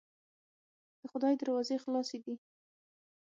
د خدای دروازې خلاصې دي.